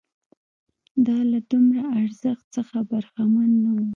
دا له دومره ارزښت څخه برخمن نه وو